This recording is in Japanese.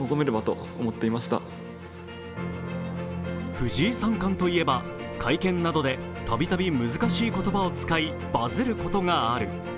藤井三冠といえば会見などで度々、難しい言葉を使いバズることがある。